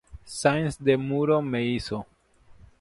Sáenz de Muro me hizo.